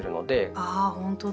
あほんとだ。